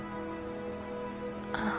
あ。